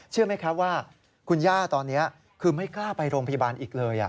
เชื่อไหมครับว่าคุณย่าตอนนี้คือไม่กล้าไปโรงพยาบาลอีกเลย